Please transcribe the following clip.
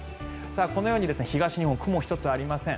このように東日本、雲一つありません。